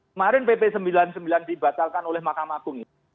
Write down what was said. kemarin pp sembilan puluh sembilan dibatalkan oleh mahkamah agung